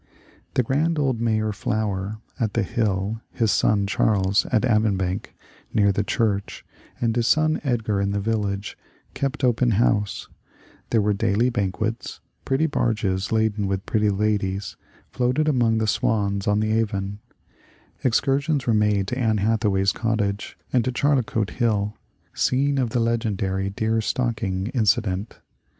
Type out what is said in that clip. The gprand old Mayor Flower at The Hill," his son Charles at Avonbank " near the church, and his son Edgar in the village, kept open house ; there were daily banquets ; pretty barges, laden with pretty ladies, floated along with the swans on the Avon ; excursions were made to Ann Hathaway's cottage and to Charlecote Hall, scene of the legendary deerstalking incident.